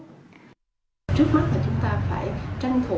trước mắt là chúng ta phải tranh thủ